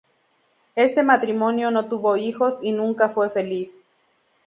Este matrimonio no tuvo hijos y nunca fue feliz.